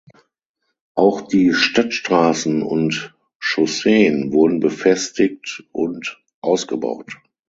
Auch die Stadtstraßen und Chausseen wurden befestigt und ausgebaut.